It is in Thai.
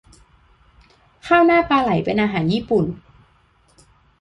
ข้าวหน้าปลาไหลเป็นอาหารญี่ปุ่น